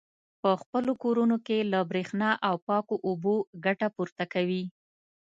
په خپلو کورونو کې له برېښنا او پاکو اوبو ګټه پورته کوي.